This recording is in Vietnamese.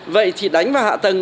vậy thì đánh vào hạ tầng